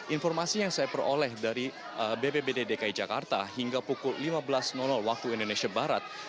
informasi yang saya peroleh dari bpbd dki jakarta hingga pukul lima belas waktu indonesia barat